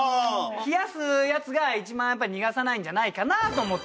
冷やすやつが一番逃がさないんじゃないかなと思って。